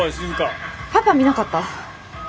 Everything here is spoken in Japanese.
パパ見なかった？